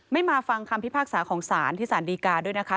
มาฟังคำพิพากษาของศาลที่สารดีกาด้วยนะคะ